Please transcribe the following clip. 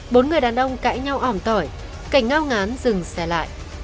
bốn người đàn ông cãi nhau ỏm tỏi cảnh ngao ngán dừng xe lại